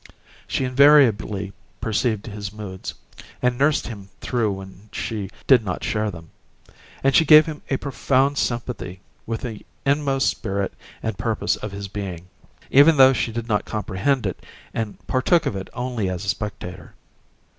She invariably perceived his moods, and nursed him through them when she did not share them; and she gave him a profound sympathy with the inmost spirit and purpose of his being, even though she did not comprehend it and partook of it only as a spectator.